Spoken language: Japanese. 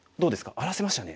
荒らせましたね。